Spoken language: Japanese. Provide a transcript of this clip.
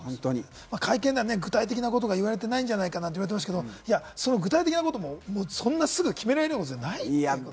会見では具体的なことが言われてないんじゃないかって言われてましたけれども、具体的なこともそんなすぐ決められることじゃない。